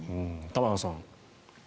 玉川さん。